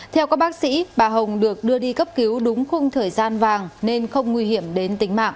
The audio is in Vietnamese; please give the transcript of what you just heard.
theo các bác sĩ bà hồng được đưa đi cấp cứu đúng khung thời gian vàng nên không nguy hiểm đến tính mạng